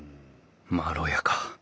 まろやか。